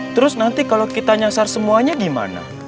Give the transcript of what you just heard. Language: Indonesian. terus nanti kalau kita nyasar semuanya gimana